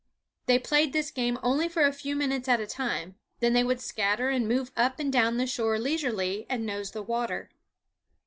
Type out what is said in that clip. They played this game only for a few minutes at a time; then they would scatter and move up and down the shore leisurely and nose the water.